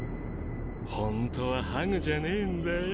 ホントはハグじゃねぇんだよ。